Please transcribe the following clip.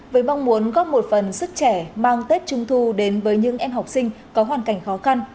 với mong muốn góp một phần sức trẻ mang tết trung thu đến với những em học sinh có hoàn cảnh khó khăn